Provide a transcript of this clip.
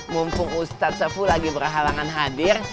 mumpung ustadz saful lagi berhalangan hadir